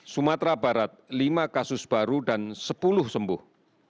sumatera barat lima kasus baru dan sepuluh sembuh